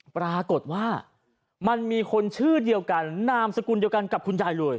ปรากฏว่ามันมีคนชื่อเดียวกันนามสกุลเดียวกันกับคุณยายเลย